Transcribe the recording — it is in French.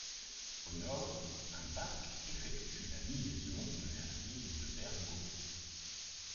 Au nord, un bac effectue la liaison vers l'île de Bergö.